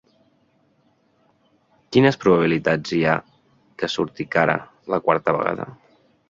Quines probabilitats hi ha que surti cara la quarta vegada?